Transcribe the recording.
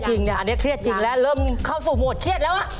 จริงเนี่ยอันนี้เครียดจริงแล้วเริ่มเข้าสู่โหมดเครียดแล้ว